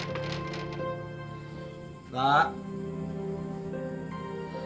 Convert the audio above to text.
ada siapa ini